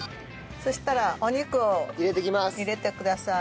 そしたらお肉を入れてくださーい。